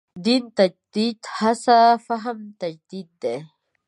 دین تجدید هڅه فهم تجدید دی.